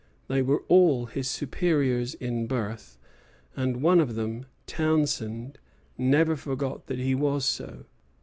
They were all his superiors in birth, and one of them, Townshend, never forgot that he was so.